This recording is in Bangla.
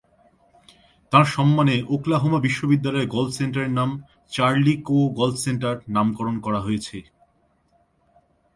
তাঁর সম্মানে ওকলাহোমা বিশ্ববিদ্যালয়ের গল্ফ সেন্টারের নাম "চার্লি কো গল্ফ সেন্টার" নামকরণ করা হয়েছে।